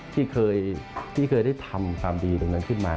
ที่เคยได้ทำความดีขึ้นมา